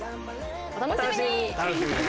お楽しみに！